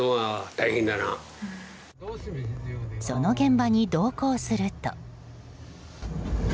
その現場に同行すると。